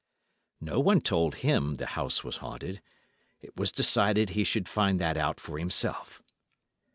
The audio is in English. "No one told him the house was haunted; it was decided he should find that out for himself.